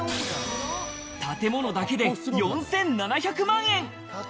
建物だけで４７００万円。